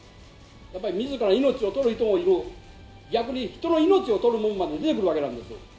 やっぱりみずから命をとる人もいる、逆に人の命をとるもんまで出てくるわけなんです。